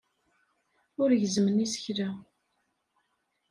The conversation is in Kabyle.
Ur gezzmen isekla.